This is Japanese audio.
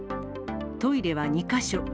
トイレは２か所。